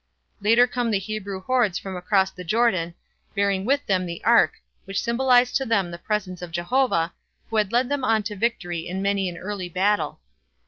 Later come the Hebrew hordes from across the Jordan bearing with them the ark which symbolized to them the presence of Jehovah, who had led them on to victory in many an early battle.